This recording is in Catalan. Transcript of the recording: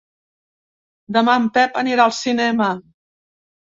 Demà en Pep anirà al cinema.